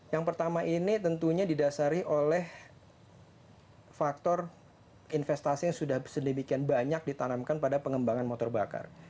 yang pertama ini tentunya didasari oleh faktor investasi yang sudah sedemikian banyak ditanamkan pada pengembangan motor bakar